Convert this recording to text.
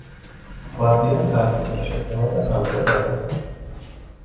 გვარდიამ გააგრძელა შეტევა და გავიდა გაგრასთან.